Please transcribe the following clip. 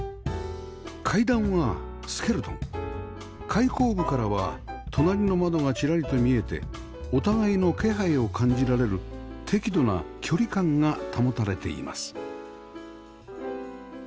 開口部からは隣の窓がチラリと見えてお互いの気配を感じられる適度な距離感が保たれています